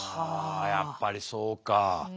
やっぱりそうか。